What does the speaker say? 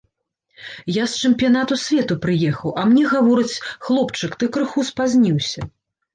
Я з чэмпіянату свету прыехаў, а мне гавораць, хлопчык, ты крыху спазніўся.